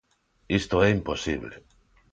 Isto é imposible.